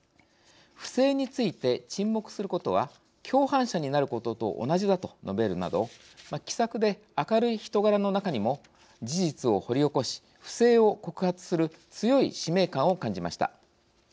「不正について沈黙することは共犯者になることと同じだ」と述べるなど気さくで明るい人柄の中にも事実を掘り起こし不正を告発する強い使命感を感じました。